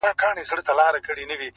• دا چي دي شعرونه د زړه جيب كي وړي.